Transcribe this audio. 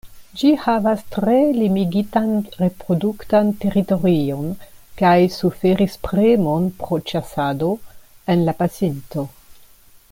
Ĝi havas tre limigitan reproduktan teritorion kaj suferis premon pro ĉasado en la pasinto.